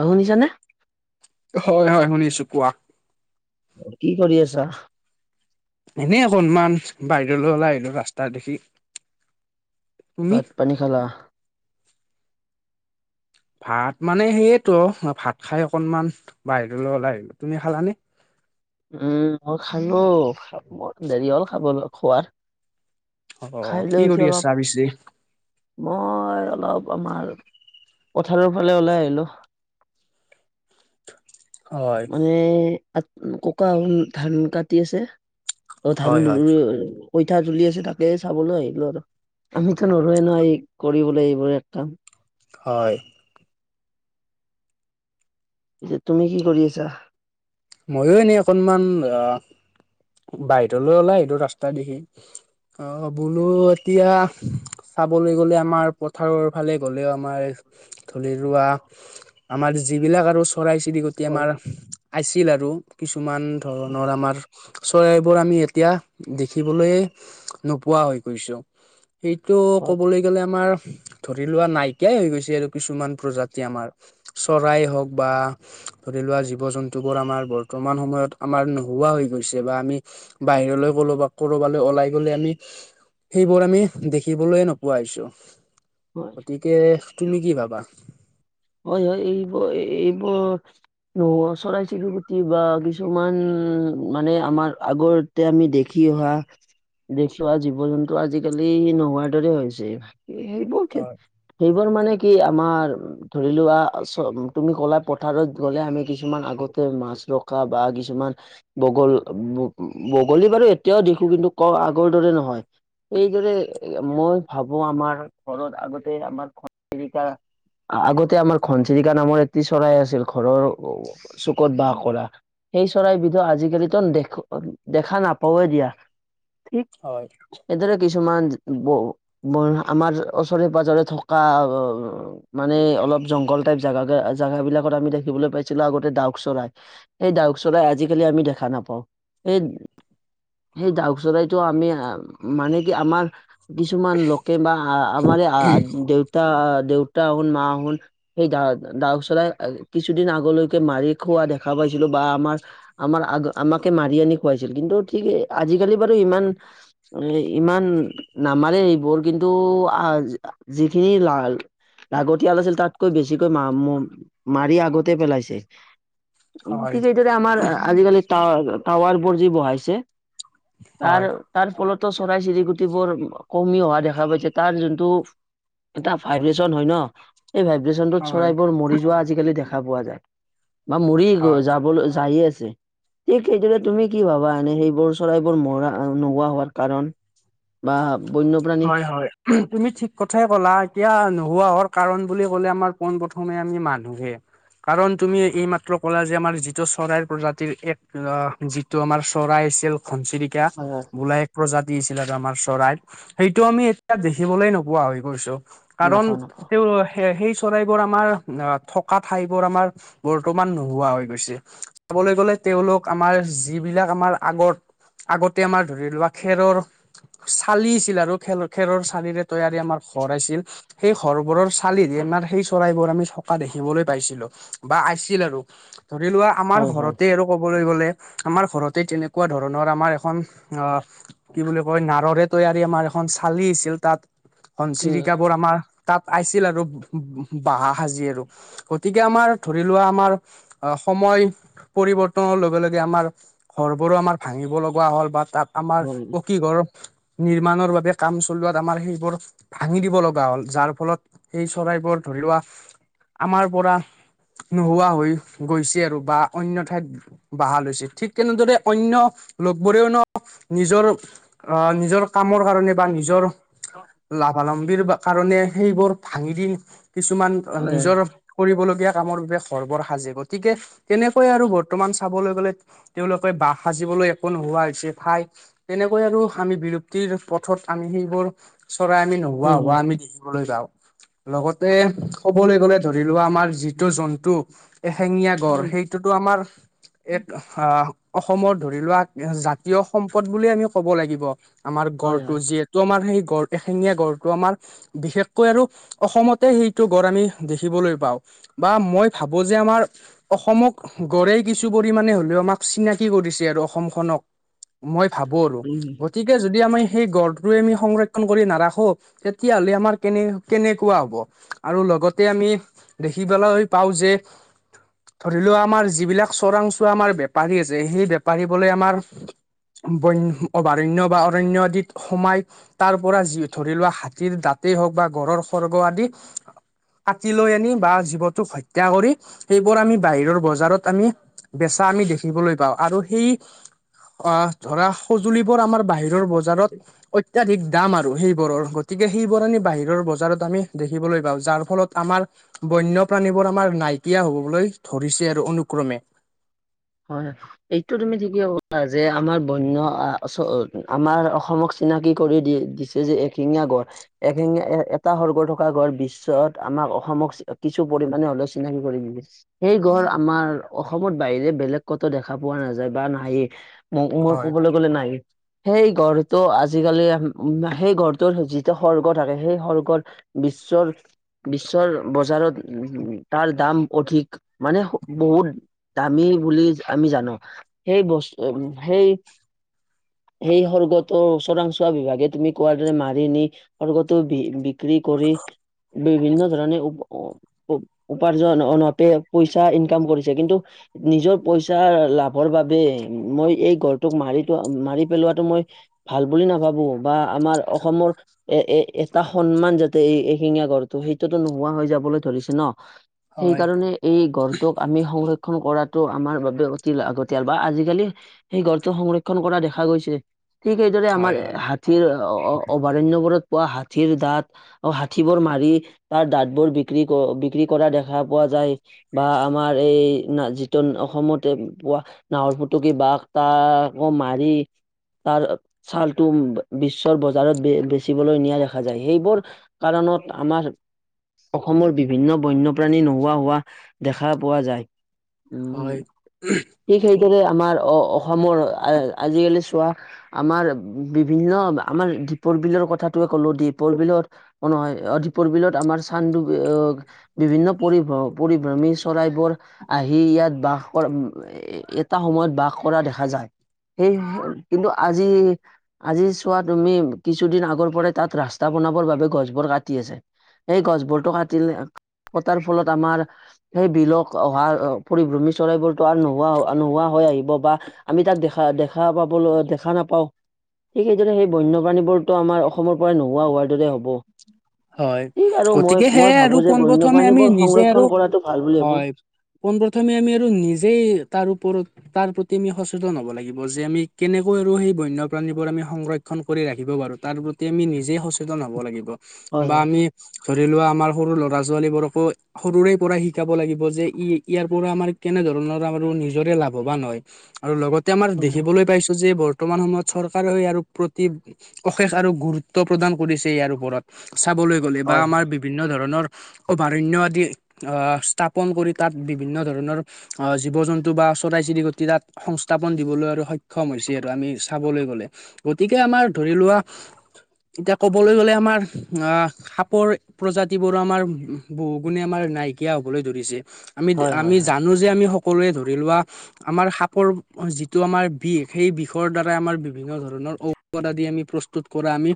অ শুনিছানে? হয় হয় শুনিছোঁ কোৱা। কি কৰি আছা? এনেই অকনমান বাহিৰলৈ ওলাই আহিলোঁ ৰাস্তা দেখি। তুমি ভাত পানী খালা? ভাত মানে সেইয়েতো, ভাত খাই অকনমান বাহিৰলৈ ওলাই আহিলোঁ। তুমি খালানে? উ, মই খালোঁ, দেৰি হ'ল খাবলৈ খোৱাৰ। অ খাই কি লৈ কৰি উঠি আছা অলপ, পিছে মই অলপ আমাৰ পথাৰৰ ফালে ওলাই আহিলোঁ। হয় মানে ককা ধান কাটি আছে। ত' ধান হয় হয় ৰো-পইঠা তুলি আছে তাকে চাবলৈ আহিলোঁ আৰু। আমিতো নৰুয়েই ন, এই কৰিবলৈ এইবোৰ এক কাম। হয়। পিছে তুমি কি কৰি আছা? ময়ো এনেই অকনমান আ বাহিৰলৈ ওলাই আহিলোঁ ৰাস্তা দেখি। অ' বোলো এতিয়া চাবলৈ গ'লে আমাৰ পথাৰৰ ফালে গলেও আমাৰ ধৰি লোৱা আমাৰ যিবিলাক আৰু চৰাই চিৰিকটি হয় আমাৰ আছিল আৰু কিছুমান ধৰণৰ আমাৰ চৰাইবোৰ আমি এতিয়া দেখিবলৈ নোপোৱা হৈ গৈছোঁ। এইটো হয় ক'বলৈ গ'লে আমাৰ ধৰি লোৱা নাইকিয়াই হৈ গৈছে আৰু কিছুমান প্ৰজাতি আমাৰ, চৰাই হওক বা ধৰি লোৱা জীৱ জন তোবোৰ আমাৰ বৰ্তমান সময়ত আমাৰ নোহোৱা হৈ গৈছে বা আমি বাহিৰলৈ গলো বা ক'ৰবালৈ ওলাই গলে আমি সেইবোৰ আমি দেখিবলৈ নোপোৱা হৈছোঁ। হয় গতিকে তুমি কি ভাবা? হয় হয় এইবৰ-এইবোৰ ন, চৰাই-চিৰিকুটি বা কিছুমান মানে আমাৰ আগতে আমি দেখি অহা দেখিওৱা জীৱ-জন্তু আজিকালি নোহোৱাৰ দৰে হৈছে। সেইবোৰ হয় সেইবোৰ মানে কি আমাৰ ধৰি লোৱা চ তুমি ক'লা পথাৰত গ'লে আমি কিছুমান আগতে মাছ ৰখা বা কিছুমান বগল-বগলী বাৰু এতিয়াও দেখো কিন্তু ক আগৰ দৰে নহয়। এইদৰে মই ভাবো আমাৰ ঘৰত আগতে আমাৰ ঘনচিকা আগতে আমাৰ ঘনচিৰিকা নামৰ এটি চৰাই আছিল। ঘৰৰ চুকত বাস কৰা। সেই চৰাইবিধো আজিকালিতো দেখ-দেখা নাপাৱেই দিয়া। হয় এইদৰে কিছু কিছুমান ব-আমাৰ ওচৰে-পাজৰে থকা অ মানে অলপ জংঘল টাইপ জাগা-জাগা বিলাকত আমি দেখিবলৈ পাইছিলো আগতে ডাউক চৰাই। সেই ডাউক চৰাই আজিকালি আমি দেখা নাপাওঁ। এই সেই ডাউক চৰাইটো আমি মানে কি আমাৰ কিছুমান লোকে বা আমাৰে আ-দেউতা দেউ তাহুন মাহুন সেই দা-দাউ চৰাই কিছুদিন আগলৈকে মাৰি খোৱা দেখা পাইছিলো। বা আমাৰ আমাৰ আগ-আমাকে মাৰি আনি খুৱাইছিল। কিন্তু ঠিক আজিকালি বাৰু ইমান এই ইমান নামাৰেই এইবোৰ কিন্তু যিখিনি লাল লাগতিয়াল আছিল তাতকৈ বেছিকৈ মা-ম-মাৰি আগতে পেলাইছে। ঠিক এইদৰে আমাৰ আজিকালি টাৱ-টাৱাৰবোৰ যে বহাইছে হয় তৰ-তাৰ ফলত ত, চৰাই চিৰিকতিবোৰ কমি অহা দেখা পাইছোঁ। তাৰ যুনটো এটা ভাই পিছত হয় ন, এই ভাইব্ৰেচনটো হয় চৰাইবোৰ মৰি যোৱা আজিকালি দেখা পোৱা যায়। বা মৰি গৈ হয়। যাবলৈ যায়ে আছে। ঠিক সেইটো তুমি কি ভাবা, এনে সেইবোৰ চৰাইবোৰ মৰা নোহোৱা হোৱাৰ কাৰণ? বা বন্যপ্ৰাণী হয় হয় তুমি ঠিক কথাই ক'লা, এতিয়া হুৱ হৰ কাৰণ বুলি ক'লে আমাৰ পোন প্ৰথমে আমি মানুহে। কাৰণ তুমি এইমাত্ৰ ক'লা যে আমাৰ যিটো চৰাইৰ প্ৰজাতিৰ এক যিটো আমাৰ চৰাই আছি ঘনচিৰিকা হয় হয় বোলা এক প্ৰজাতি আছিলে। আমাৰ চৰাইত, সেইটো আমি এতিয়া দেখিবলে নোপোৱা হৈ গৈছো। কাৰণ নাপাওঁ নাপাওঁ তেওঁ সে-সেই চৰাইবোৰ আমাৰ থকা ঠাইবোৰ আমাৰ বৰ্তমান নোহোৱা হৈ গৈছে। চাবলৈ গ'লে তেওঁলোক আমাৰ যিবিলাক আমাৰ আগত, আগতে আমাৰ ধৰি লোৱা খেৰৰ [inaudible] চালি আছিল আৰু খেৰ-খেৰৰ চালিৰে তৈয়াৰী আমাৰ ঘৰ আছিল। সেই ঘৰ বোৰৰ চালি দি আমাৰ সেই চৰাইবোৰ আমি থকা দেখিবলৈ পাইছিলো বা আছিল আৰু। ধৰি লোৱা আমাৰ হয় হয় ঘৰতে আৰু ক'ব কবলৈ গ'লে, আমাৰ ঘৰতে তেনেকুৱা ধৰণৰ আমাৰ এখন কি বুলি নাৰৰে তৈয়াৰী আমাৰ এখন চালি আছিল তাত উম ঘনচিৰিকাবোৰ আমাৰ তাত আইছিল আৰু বহা সাজি আৰু, গতিকে আমাৰ ধৰি লোৱা আমাৰ অ সময় পৰিৱৰ্তনৰ লগে লগে আমাৰ ঘৰবোৰো আমাৰ ভাঙিব লগা হ'ল বা তাত আমাৰ হয় নিৰ্মণৰ বাবে কাম চলোৱাত আমাৰ সেইবোৰ ভাঙি দিব লগা হ'ল। যাৰ ফলত সেই চৰাইবোৰ ধৰি লোৱা আমাৰ পৰা নোহোৱা হৈ গৈছে আৰু বা অনন্য ঠাইত বাহ লৈছে। ঠিক তেনেদৰে অনন্য লগবোৰেও ন নিজৰ অ নিজৰ কামৰ কাৰণে বা নিজৰ লাভা লা কৰণে ভাঙি দি কিছুমান হয় নিজৰ কৰি কামৰ বাবে ঘৰ বৰ সাজিব, গতিকে তেনেকৈ আৰু বৰ্তমান চাবলৈ গ'লে তেওঁলোকে বাহ সাজে জিবলৈ একো নোহোৱা হৈছে ঠাই তেনে কৈ আৰু আমি বিৰপ্তিৰ পথত আমি সেইবোৰ চৰাই আমি নোহোৱা হয় হয় হোৱা হয় আমি দেখিবলৈ পাওঁ। লগতে ক'বলৈ গ'লে ধৰি লোৱা আমাৰ যিটো জন্তু এশেঙীয়া গড় সেইটোতো আমাৰ এক আহ অসমত ধৰি লোৱা জাতীয় সম্পদ বুলিুল আমি কব লাগিব আমাৰ হয় হয় গড়তটো হয় যিহেতু আমাৰ সেই গড় এশেঙীয়া গড়টো আমাৰ বিশেষকৈ আৰু অসমতে সেইটো গড় আমি দেখিবলৈ পাওঁ বা মই ভাবো যে আমাৰ অসমক গঢ় কিছু পৰিমণে হ'লেও আমাক চিনাকি কৰি অসমখনক মই ভো আৰু উম গতিে যদি আমি সেই গৰটোৱে আমি সংৰক্ষণ কৰি নাৰাখো তেতিয়া হলে আমাৰ কেনে কেনেকুৱা হ'ব আৰু লগতে আমি দেখিবলৈ পাওঁ যে ধৰি লও আমাৰ যিবিলাক চোৰাংচোৱা আমাৰ বেপাৰী আছে সেই বেপাৰ পাৰিবলৈ আমাৰ বন অভয়াৰণ্য বা অৰণ্য আদিত সোমাই তাৰ পৰাি ধৰি লোৱা হাতীৰ দাতেই হওক বা গড় সৰ্গ আদি কাটি লৈ আনি বা জীৱটোক হত্যা কৰি সেইবোৰ আমি বাহিৰৰ বজাৰত আমি বেচ চাহ আমি দেখিবলৈ পাওঁ আৰু সেই অ ধৰা সঁজুলিবোৰ আমাৰ বাহিৰৰ বজাৰত অ অত্যাধিক দাম আৰু সেইবোৰৰ গতিকে সেইবোৰ আমি বাহিৰৰ বজাৰত আমি দেখিবলৈ পাওঁ যাৰ ফলত আমাৰ বন্যপ্ৰাণীবোৰ আমাৰ নাইকিয়া হবলৈ ধৰিছে আৰু অনুক্ৰমে [inaudible] হয় এইটো তুমি ঠিকো যে আমাৰ বন্য আমাৰ অসমক চিনাকি কৰি দি দিছে যে এশিঙা গড় এশিঙা এটা সৰ্গ থকা গড় বিশ্বত আমাৰ অসমক কিছু পৰিমাণে হলেও চিনাকি কৰিব সেই ঘৰ আমাৰ অসমত বাহিৰে বেলেগ ক'ত দেখা পোৱা নাযায় বা নাইয়ে ম' মই হয় ক'বলৈ গ'লে নাই সেই ঘৰ ত' আজিকালি সেই ঘৰটোৰ যিটো সৰ্গ থাকে সেই সৰ্গত বিশ্বৰ বিশ্বৰ বজাৰত তাৰ দাম অধিক মানে বহুত দামী বুলি আমি জানো সেই বস্তু সেই সেই সৰ্গটো চোৰাংচোৱা বিভাগে তুমি কোৱাৰ দৰে মাৰি নি সৰ্গটো বি- বিক্ৰী কৰি কৰি বিভিন্ন ধৰণে উ-উপাৰ্জনঅতে পইচা ইনকাম কৰিছে কিন্তু নিজৰ পইচা লাভৰ বাবে মই এই গঢ়টোক মাৰিটো মাৰি পেলোৱাটো মই ভাল বুলি নাভাবো বা আমাৰ অসমৰ এ, এ, এটা সন্মান যাতে এই এশিঙীয়া গঢ়টো সেইটোটো নোহোৱা হৈ যাবলৈ ধৰিছে ন হয় সেইকাৰণে এই গড়টোক আমি সংৰ কৰাটো আমাৰ বাবে অতি লাগতিয়াল বা আজিকালি সেই গঢ়টো সংৰক্ষণ কৰা দেখা গৈছে। ঠিক সেইদৰে হয় আমাৰ হয় হাতীৰ অভ-অভয়াৰণ্যবোৰত পোৱা হাঠীৰ দাঁত হঠী বোৰ মাৰি তাৰ দাঁত বোৰ বিক্ৰী ক বিক্ৰী কৰা দেখা পোৱা যায় বা আমাৰ এই না যিটো অসমতে পোৱা নাহৰ ফুটুকি বাঘ তাক আকৌ মাৰি তাৰ ছালটো বিশ্বৰ বজাৰত বেচিবলৈ নিয়া দেখা যায় সেইবোৰ কাৰ [unintelligible] আমাৰ। অসমৰ বিভিন্ন বন্যপ্ৰাণী নোহোৱা হোৱা দেখা পোৱা যায় উম, হয় ঠিক সেইদৰে আমাৰ অ-অসমৰ আ-আজিকালি পোৱা আমাৰ বিভিন্ন আমাৰ দীপৰ বিলৰ কথাটোৱে ক'লো দ্বীপৰ বিলত নহয় দীপৰ বিলত আমাৰ চানদুবি বিভিন্ন পৰি- পৰিভ্ৰমী চৰাইবোৰ আহি ইয়াত বাস কৰা এটা সময়ত বাস কৰা দেখা যায় সেই কিন্তু আজি, আজি চোৱা তুমি কিছুদিন আগৰ পৰাই তাত ৰাস্তা বনাবৰ বাবে গছবোৰ কাটি আছে সেই গছ বোৰতো কাটিলে কটাৰ ফলত আমাৰ সেই বিলক অহা পৰিভ্ৰমী চৰাইবোৰ ত' নোহোৱা, নোহোৱা হৈ আহিব বা আমি তাক দেখা, দেখা পাবলৈ দেখা নাপাওঁ, ঠিক সেইদৰে সেই বন্যপ্ৰাণীবোৰতো আমাৰ অসমৰ পৰাই নোহোৱা হোৱাৰ দৰে হ'ব। হয়। ঠিক আৰু মই গতিকে মই সেয়ে ভাবো আৰু যে পোন প্ৰথমে আমি বন্যপ্ৰাণীবোৰ নিজে আৰু সংৰক্ষণ কৰাটো ভাল বুলি ভাবো হয়। পোনপ্ৰথমে আমি আৰু নিজেই তাৰ ওপৰত তাৰ প্ৰতি আমি সচেতন হ'ব লাগিব, যে আমি কেনেকৈ আৰু সেই বন্যপ্ৰাণীবোৰ আমি সংৰক্ষণ কৰি ৰাখিব। তাৰ প্ৰতি আমি নিজে সচেতন হ'ব লাগিব হয় বা হয় আমি ধৰি লোৱা আমাৰ সৰু ল'ৰা-ছোৱালীবোৰকো সৰুৰে পৰা শিকাব লাগিব যে ই ইয়াৰ পৰা আমাৰ কেনে কেনে ধৰণৰ আৰু নিজৰে লাভৱান হয়। আৰু লগতে আমাৰ দেখিবলৈ পাইছোঁ যে বৰ্তমান সময়ত চৰকাৰেও ইয়াৰ প্ৰতি অশেষ আৰু গুৰুত্ব প্ৰদান কৰিছে ইয়াৰ ওপৰত। চাবলৈ গ'লে বা হয় আমাৰ বিভিন্ন ধৰণৰ অভয়াৰণ্য আদি অহ, স্থাপন কৰি তাত বিভিন্ন ধৰণৰ অহ, জীৱ-জন্তু বা চৰাই-চিৰিকতি তাত সংস্থাপন দিবলৈ আৰু সক্ষম হৈছে আৰু আমি চাবলৈ গ'লে। গতিকে আমাৰ ধৰি লোৱা এতিয়া ক'বলৈ গ'লে আমাৰ অহ, সাপৰ প্ৰজাতিবোৰো আমাৰ বহু গুণে আমাৰ নাইকিয়া হ'বলৈ ধৰিছে। আমি, হয় হয় হয় আমি হয় জানোঁ যে আমি সক সকলোৱে ধৰি লোৱা আমাৰ সাপৰ যিটো আমাৰ বিষ, সেই বিষৰ দ্বাৰাই আমাৰ বিভি বিভিন্ন ধৰণৰ ঔষধ আদি আমি প্ৰস্তুত কৰা আমি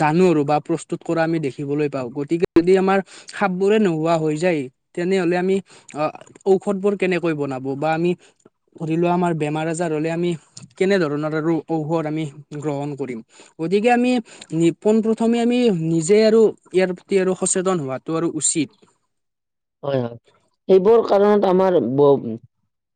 জানোঁ আৰু বা প্ৰস্তুত কৰা আমি দেখিবলৈ পাওঁ। গতিকে যদি আমাৰ সাপবোৰে নোহোৱা হয় যায় তেনেহ'লে আমি আমি অহ, ঔষধবোৰ কেনেকৈ বনাব বা আমি ধৰিলোৱা আমাৰ বেমাৰ-আজাৰ হ'লে, আমি কেনে ধৰণৰ আৰু ঔষধ আমি গ্ৰহণ কৰিম। গতিকে আমি পোনপ্ৰথমে আমি নিজে আৰু ইয়াৰ প্ৰতি আৰু সচেতন হোৱাত হয়, হয়। সেইবোৰ কাৰণত আমাৰ ব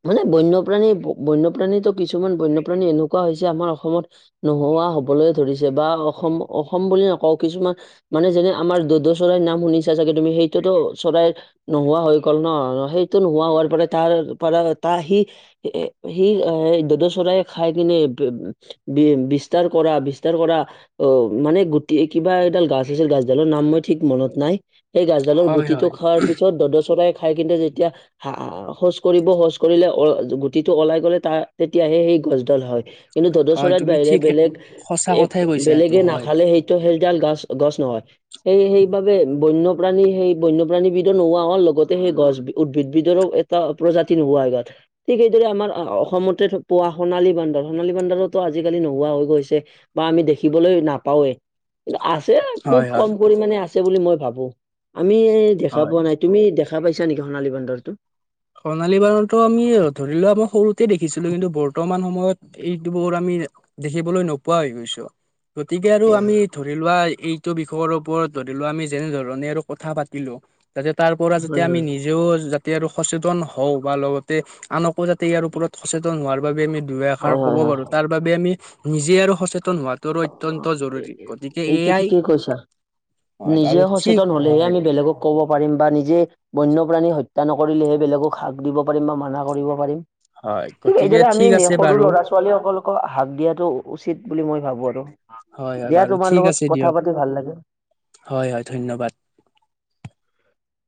মানে বন্যপ্ৰাণী, বন্যপ্ৰাণীতো কিছুমান বন্যপ্ৰাণী এনেকুৱা হৈছে আমাৰ অসমত নোহোৱা হোৱা হ'বলৈ ধৰিছে বা অসম, অসম বুলি নকওঁ কিছুমান মানে যেনে আমাৰ দ'দ চৰাইৰ নাম শুনিছা চাগে। সেইটোতো চৰাই নোহোৱা হৈ গ'ল ন' সেইটো নোহোৱা হোৱাৰ পৰা তাৰপৰা তাৰ সি দ'দ চৰায়ে খাই কিনে বি-বিস্তাৰ কৰা বিস্তা বিস্তাৰ কৰা অহ, মানে গোটি কিবা এডাল গাছ আছিল, গাছডালৰ নাম মই ঠিক মনত নাই। সেই গছডালৰ হয় গুটিটো হয়। খোৱাৰ পিছত দ'দ চৰাই খাই কিন্তে যেতিয়া হা শৌচ কৰিব, শৌচ কৰিলে গুটিটো ওলাই গ'লে তাৰ তেতিয়াহে সেই গছডাল হয়। কিন্তু দ'দ হয় চৰাইৰ তুমি বাহিৰে ঠিক এক বেলেগ সঁচা এক, কথাই কৈছা এইটো বেলেগে হয় নাখালে সেইটো সেইডাল গাছ গছ গছ নহয়। সেই সেইবাবে বন্য প্ৰাণী সেই বন্যপ্ৰাণী বিধও নোহোৱা লগতে সেই গছ উদ্ভিদ বিধও এটা প্ৰজাতি নোহোৱা হয় গ'ল। ঠিক সেইদৰে আমাৰ অসমতে পোৱা সোণালী বান্দৰ, সোণালী বান্দৰোতো আজিকালি নোহোৱা হৈ গৈছে। বা আমি দেখিবলৈ নাপাওঁৱেই কিন্তু আছে, খুব হয় হয় কম পৰিামানে আছে বুলি মই ভাবোঁ। আমি দেখা হয়। পোৱা নাই। তুমি দেখা পাইছা নেকি সোণালী বন্দৰটো? সোণালী বান্দৰটো আমি ধৰি লোৱা আমাৰ সৰুতে দেখিছিলোঁ, কিন্তু বৰ্তমান সময়ত এইবোৰ আমি দেখিবলৈ নোপোৱা হৈ গৈছোঁ, গতিকে আৰু আমি ধৰিলোৱা এই এইটো বিষয়ৰ ওপৰত ধৰিলোৱা আমি যেনেধ ধৰণে আৰু কথা পাতিলোঁ। যাতে তাৰ পৰা যাতে হয় আমি হয় নিজেও যাতে আৰু সচেতন হওঁ বা লগতে আনক উপজাতি যাতে ইয়াৰ ওপৰত সচেতন হোৱাৰ বাবে আমি দুইষাৰ হয় ক'ব হয় পাৰোঁ, তাৰবাবে আমি নিজে আৰু সচেতন সচেতন হোৱাটোৰো অত্যন্ত হয় জৰুৰী, গতিকে এইটো এয়াই ঠিকেই কৈছা হয় নিজে বাৰু ঠিক সচেতন হ'লেহে হয় আমি বেলেগক ক'ব পাৰিম বা নিজে বন্যপ্ৰাণী হত্যা হত্যা নকৰিলেহে বেলেগক হাক দিব পাৰিম বা মানা কৰিব পাৰিম। হয় ঠিক গতিকে এইদৰে আমি ঠিক আছে সৰু বাৰু ল'ৰা-ছোৱালীসকলকো হাক দিয়াতটো উচিত বুলি মই ভাবোঁ আৰু। হয় হয় দিয়া বাৰু তোমাৰ ঠিক লগত আছে কথা দিয়ক পাতি ভাল লাগিল। হয় হয় ধন্যবাদ [unintelligible]